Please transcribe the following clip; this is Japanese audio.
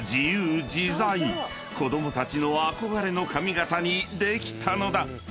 ［子供たちの憧れの髪型にできたのだ］